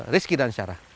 riski dan syarah